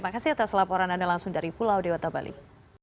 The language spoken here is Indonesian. apalagi melakukan aktivitas pendakian seperti itu hanom